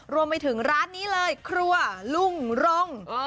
รวมไปถึงร้านนี้เลยครัวลุงรง